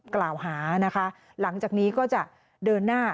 กล่าวหานะคะหลังจากนี้ก็จะเดินหน้า